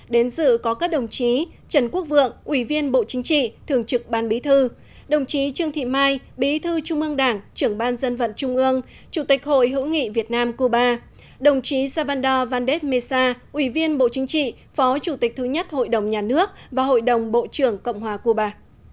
đến dự có các đồng chí trần quốc vượng ủy viên bộ chính trị thường trực ban bí thư đồng chí trương thị mai bí thư trung ương đảng trưởng ban dân vận trung ương chủ tịch hội hữu nghị việt nam cuba đồng chí savando vandep mesa ủy viên bộ chính trị phó chủ tịch thứ nhất hội đồng nhà nước và hội đồng bộ trưởng cộng hòa cuba